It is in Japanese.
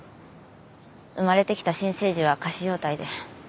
生まれてきた新生児は仮死状態で。